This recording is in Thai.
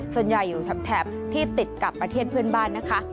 ส่วนใหญ่อยู่แถบที่ติดกับประเทศเพื่อนบ้านนะคะ